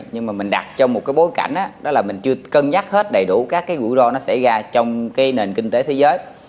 nhưng mà mình đặt trong một cái bối cảnh đó là mình chưa cân nhắc hết đầy đủ các cái rủi ro nó xảy ra trong cái nền kinh tế thế giới